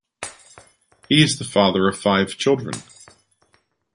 He is the father of five children.